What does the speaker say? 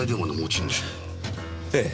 ええ。